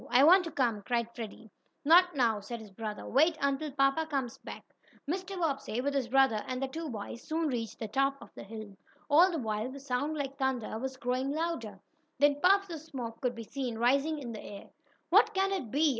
"I want to come!" cried Freddie. "Not now," said his mother. "Wait until papa comes back." Mr. Bobbsey, with his brother and the two boys, soon reached the top of the hill. All the while the sound like thunder was growing louder. Then puffs of smoke could be seen rising in the air. "What can it be?"